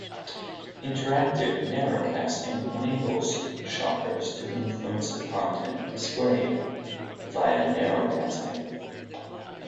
Interactive narrowcasting enables shoppers to influence the content displayed via narrowcasting.